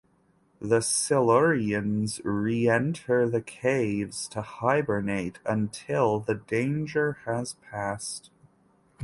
The Silurians re-enter the caves to hibernate until the danger has passed.